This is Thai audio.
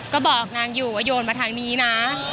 ก็บอกนางอยู่ว่าโยนมาทางนี้นะ